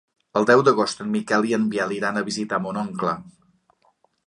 El deu d'agost en Miquel i en Biel iran a visitar mon oncle.